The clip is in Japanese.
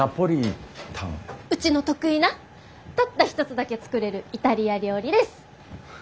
うちの得意なたった一つだけ作れるイタリア料理です！